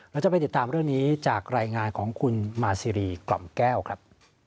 เราจะไปติดตามเรื่องนี้จากรายงานของคุณมาซีรีกล่อมแก้วครับ